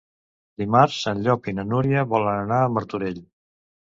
Dimarts en Llop i na Núria volen anar a Martorell.